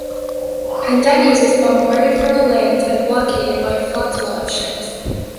Pendennis was bombarded from the land and blockaded by a flotilla of ships.